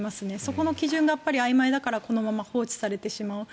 そこの基準があいまいだからこのまま放置されてしまう。